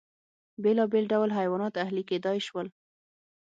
بېلابېل ډول حیوانات اهلي کېدای شول.